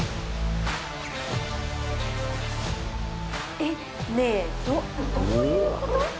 えっ！ねえどういうこと？